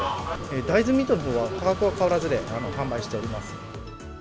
大豆ミートのほうは、価格は変わらずで販売しております。